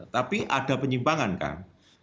tapi ada penyimpangan kan